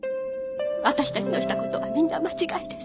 私たちのしたことはみんな間違いです。